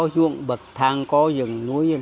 ruộng bậc thang có rừng núi